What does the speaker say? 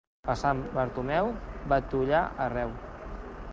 Per Sant Bartomeu, batollar arreu.